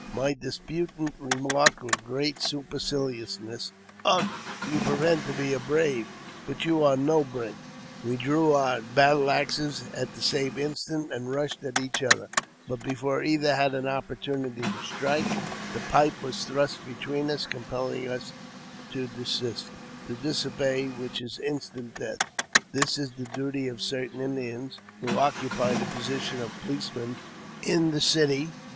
My disputant remarked with great superciliousness, " Ugh ! you pretend to be a brave, but you are no brave." We drew our battle axes at the same instant, and rushed at each other, but before either had an opportunity to strike, the pipe was thrust between us, compelling us to desist, to disobey which is instant death. This is the duty of certain Indians, who occupy the position of policemen in a city.